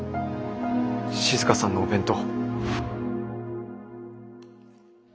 静さんのお弁当。